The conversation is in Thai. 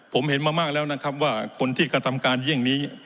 ผมเห็นมามากแล้วนะครับว่าคนที่กระทำการเยี่ยงนี้